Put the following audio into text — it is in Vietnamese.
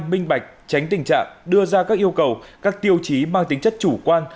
minh bạch tránh tình trạng đưa ra các yêu cầu các tiêu chí mang tính chất chủ quan